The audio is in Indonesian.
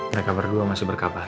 mereka berdua masih berkabar